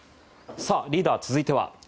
リーダー、続いては？